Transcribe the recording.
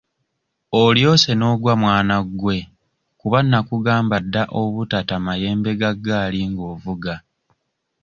Olyose n'ogwa mwana gwe kuba nnakugamba dda obutata mayembe ga ggaali ng'ovuga.